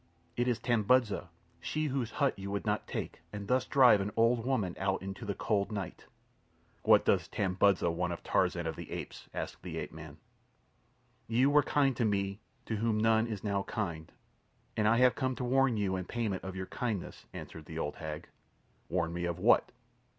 "It is Tambudza—she whose hut you would not take, and thus drive an old woman out into the cold night." "What does Tambudza want of Tarzan of the Apes?" asked the ape man. "You were kind to me to whom none is now kind, and I have come to warn you in payment of your kindness," answered the old hag. "Warn me of what?"